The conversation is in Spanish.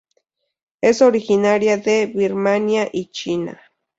Es originaria de Birmania y China.